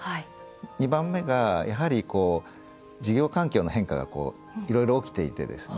２番目が、やはり事業環境の変化がいろいろ起きていてですね